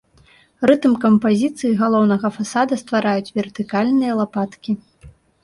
Рытм кампазіцыі галоўнага фасада ствараюць вертыкальныя лапаткі.